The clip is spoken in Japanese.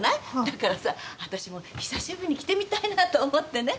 だからさ私も久しぶりに着てみたいなと思ってね